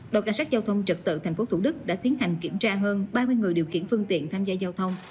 đội cảnh sát giao thông trật tự thành phố thủ đức đã tiến hành kiểm tra hơn ba mươi người điều kiển phương tiện tham gia giao thông